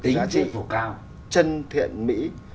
giá trị chân thiện mỹ